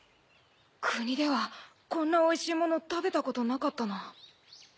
国ではこんなおいしい物食べたことなかったな。